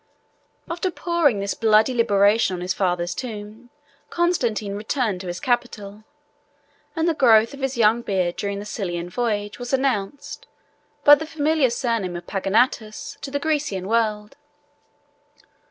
After pouring this bloody libation on his father's tomb, Constantine returned to his capital; and the growth of his young beard during the Sicilian voyage was announced, by the familiar surname of Pogonatus, to the Grecian world.